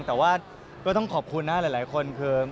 แต่ว่าก็ต้องขอบคุณนะหลายคนคือ